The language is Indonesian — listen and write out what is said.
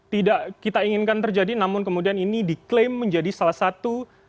tidak kita inginkan terjadi namun kemudian ini diklaim menjadi salah satu